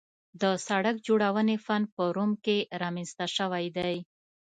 د سړک جوړونې فن په روم کې رامنځته شوی دی